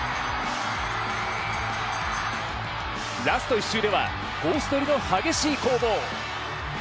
ラスト１周ではコース取りの激しい攻防。